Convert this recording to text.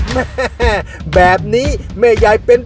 แม่ฮีแฮแบบนี้แม่ใหญ่เป็น